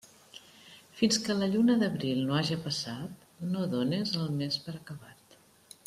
Fins que la lluna d'abril no haja passat, no dónes el mes per acabat.